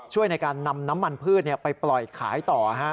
ช่วยในการนำน้ำมันพืชไปปล่อยขายต่อ